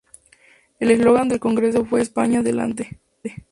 El eslogan del Congreso fue "España, adelante".